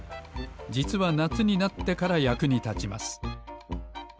じつはなつになってからやくにたちます。